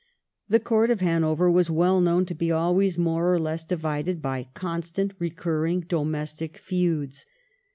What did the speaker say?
The Court of Hanover was well known to be always more or less divided by constantly recurring domestic feuds.